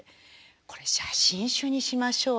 「これ写真集にしましょうよ」って。